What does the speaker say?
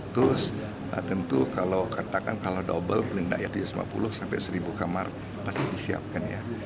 tentu kalau katakan kalau double beli enggak ya tujuh ratus lima puluh sampai satu kamar pasti disiapkan ya